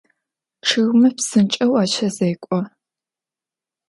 Чъыгмэ псынкӏэу ащэзекӏо.